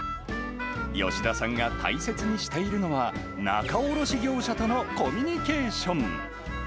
吉田さんが大切にしているのが、仲卸業者とのコミュニケーション。